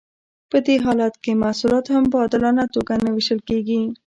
په دې حالت کې محصولات هم په عادلانه توګه نه ویشل کیږي.